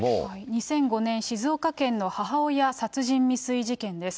２００５年、静岡県の母親殺人未遂事件です。